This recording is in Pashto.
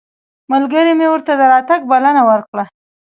ملګري مې ورته د راتګ بلنه ورکړه.